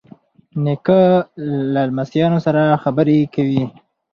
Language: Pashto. نیکه له لمسیانو سره خبرې کوي.